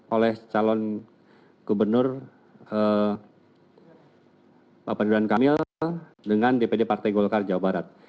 oleh calon gubernur bapak ridwan kamil dengan dpd partai golkar jawa barat